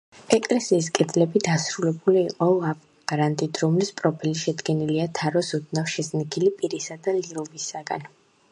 ეკლესიის კედლები დასრულებული იყო ლავგარდნით, რომლის პროფილი შედგენილია თაროს, ოდნავ შეზნექილი პირისა და ლილვისაგან.